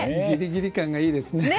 ギリギリ感がいいですね。